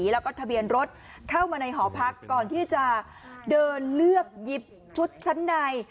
แล้วก็ทะเบียนรถเข้ามาในหอพักก่อนที่จะเดินเลือกหยิบชุดชั้นใน